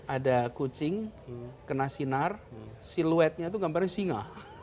ada kucing kena sinar siluetnya itu gambarnya singa